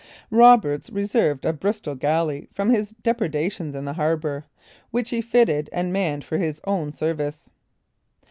Roberts reserved a Bristol galley from his depredations in the harbor, which he fitted and manned for his own service.